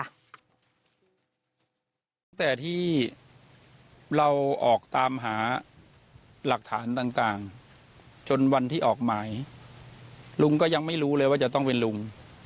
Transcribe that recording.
ตั้งแต่ที่เราออกตามหาหลักฐานต่างจนวันที่ออกหมายลุงก็ยังไม่รู้เลยว่าจะต้องเป็นลุง